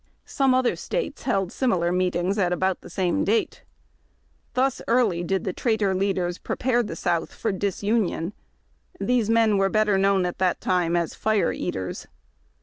Some other States held similar meetings about the same date. Thus early did the traitor leaders prepare the South for dis union. These men were better known at that time as " Fire eaters."